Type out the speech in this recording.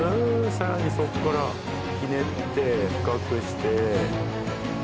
さらにそこからひねって深くして。